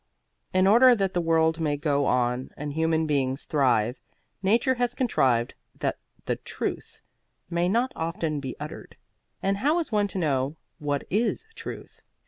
In order that the world may go on and human beings thrive, nature has contrived that the Truth may not often be uttered. And how is one to know what is Truth?